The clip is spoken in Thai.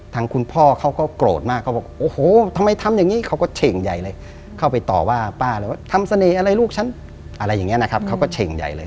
ทางคุณพ่อเขาก็โกรธมากเขาบอกโอ้โหทำไมทำอย่างนี้เขาก็เฉ่งใหญ่เลยเข้าไปต่อว่าป้าเลยว่าทำเสน่ห์อะไรลูกฉันอะไรอย่างนี้นะครับเขาก็เฉ่งใหญ่เลย